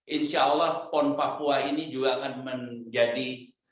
insya allah pon papua ini juga akan menjadi